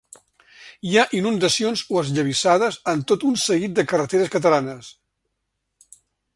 Hi ha inundacions o esllavissades en tot un seguit de carreteres catalanes.